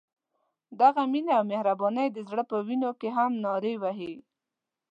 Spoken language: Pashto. دغه مینه او مهرباني د زړه په وینو کې هم نارې وهي.